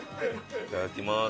いただきます。